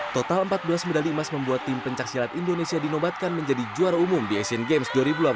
total empat belas medali emas membuat tim pencaksilat indonesia dinobatkan menjadi juara umum di asian games dua ribu delapan belas